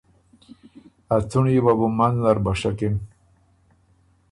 ا څُنړيې وه بُو منځ نر بَشکِن